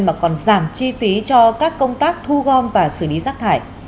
mà còn giảm chi phí cho các công tác thu gom và xử lý rác thải